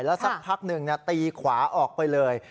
แล้วสักพักหนึ่งตีขวาออกไปเลย